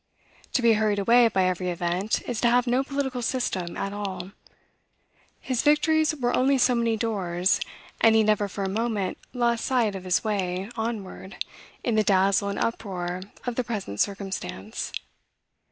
"To be hurried away by every event, is to have no political system at all. His victories were only so many doors, and he never for a moment lost sight of his way onward, in the dazzle and uproar of the present circumstance.